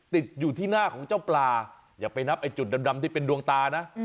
ติดอยู่ที่หน้าของเจ้าปลาอย่าไปนับไอ้จุดดำที่เป็นดวงตานะ